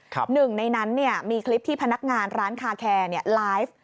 หนึ่งในนั้นมีคลิปที่พนักงานร้านคาแคร์ไลฟ์